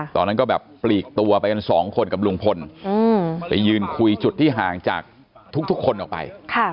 ตอนนั้นก็แบบปลีกตัวไปกันสองคนกับลุงพลไปยืนคุยจุดที่ห่างจากทุกคนออกไป